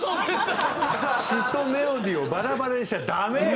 詩とメロディーをバラバラにしちゃダメよ！